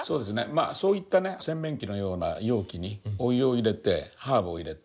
そういった洗面器のような容器にお湯を入れてハーブを入れて。